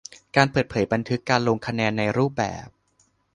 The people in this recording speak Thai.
การเปิดเผยบันทึกการลงคะแนนในรูปแบบ